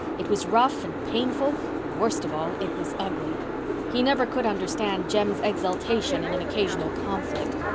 It was rough and painful—and, worst of all, it was ugly. He never could understand Jem's exultation in an occasional conflict.